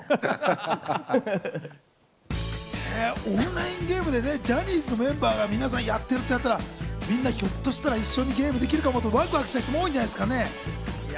オンラインゲームでね、ジャニーズのメンバーが皆さんやってるってなったら、みんなひょっとしたら一緒にゲームできるかもってワクワクしてる人も多いんじゃないですかね。